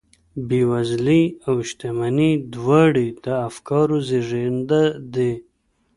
بېوزلي او شتمني دواړې د افکارو زېږنده دي